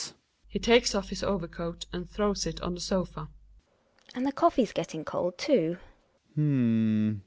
He takes off his overcoat and throws it on the so/a, GiNA. And the coffee's getting cold, too.